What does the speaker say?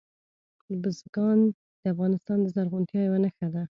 بزګان د افغانستان د زرغونتیا یوه نښه ده.